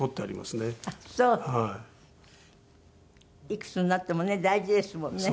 いくつになってもね大事ですもんね。